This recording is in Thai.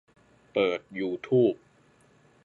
เปิดยูทูบ